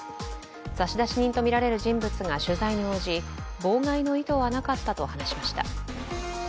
差出人とみられる人物が取材に応じ、妨害の意図はなかったと話しました。